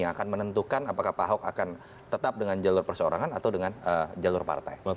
yang akan menentukan apakah pak ahok akan tetap dengan jalur perseorangan atau dengan jalur partai